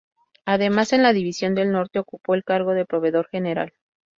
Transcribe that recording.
Además, en la División del Norte ocupó el cargo de proveedor general.